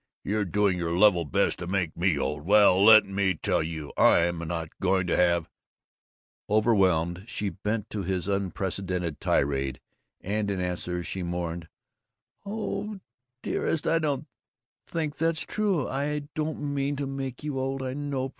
You're doing your level best to make me old. Well, let me tell you, I'm not going to have " Overwhelmed she bent to his unprecedented tirade, and in answer she mourned: "Oh, dearest, I don't think that's true. I don't mean to make you old, I know.